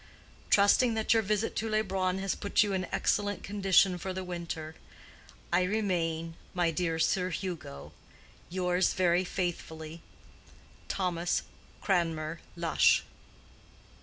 Trusting that your visit to Leubronn has put you in excellent condition for the winter, I remain, my dear Sir Hugo, yours very faithfully, THOMAS CRANMER LUSH.